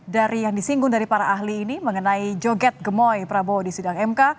dari yang disinggung dari para ahli ini mengenai joget gemoy prabowo di sidang mk